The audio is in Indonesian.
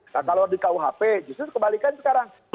nah kalau di kuhp justru kebalikan sekarang